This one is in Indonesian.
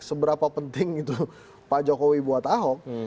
seberapa penting itu pak jokowi buat ahok